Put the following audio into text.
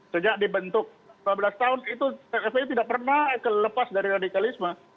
sejak dibentuk lima belas tahun itu fpi tidak pernah lepas dari radikalisme